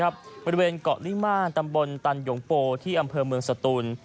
บริเวณเกาะลิม่านตำบลตันหยงโปที่อำเภอเมืองสตูน